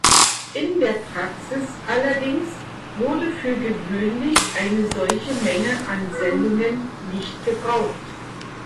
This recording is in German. In der Praxis allerdings wurde für gewöhnlich eine solche Menge an Sendungen nicht gebraucht.